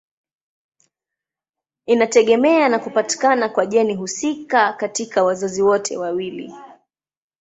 Inategemea na kupatikana kwa jeni husika katika wazazi wote wawili.